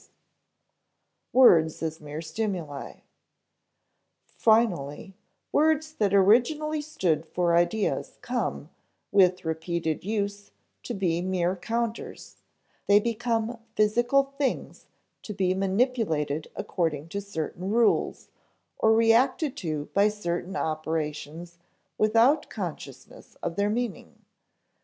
[Sidenote: Words as mere stimuli] Finally, words that originally stood for ideas come, with repeated use, to be mere counters; they become physical things to be manipulated according to certain rules, or reacted to by certain operations without consciousness of their meaning.